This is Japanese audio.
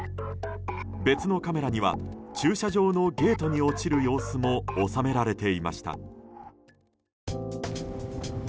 別のカメラには駐車場のゲートに落ちる様子も収められていました。